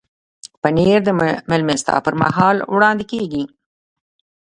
پنېر د میلمستیا پر مهال وړاندې کېږي.